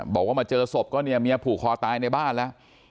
บอกว่ามาเจอศพก็เนี่ยเมียผูกคอตายในบ้านแล้ว